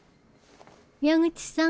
矢口さん。